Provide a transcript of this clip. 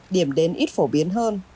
điểm đến ít phổ biến hơn